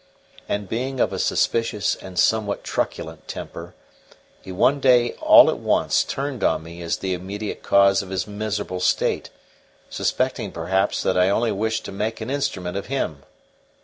And being of a suspicious and somewhat truculent temper, he one day all at once turned on me as the immediate cause of his miserable state, suspecting perhaps that I only wished to make an instrument of him.